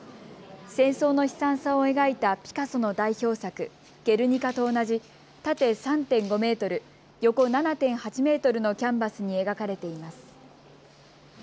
戦争の悲惨さを描いたピカソの代表作、ゲルニカと同じ縦３．５メートル、横７．８メートルのキャンバスに描かれています。